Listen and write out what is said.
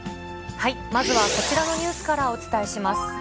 まずはこちらのニュースからお伝えします。